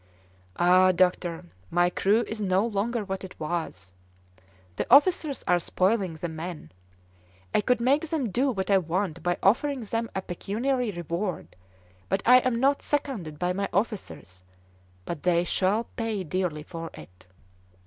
"Ah, doctor, my crew is no longer what it was; the officers are spoiling the men. I could make them do what I want by offering them a pecuniary reward, but I am not seconded by my officers, but they shall pay dearly for it!"